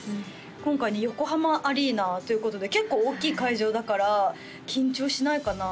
今回横浜アリーナということで結構大きい会場だから緊張しないかな？